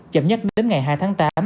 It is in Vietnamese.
chậm nhất đến ngày hai tháng tám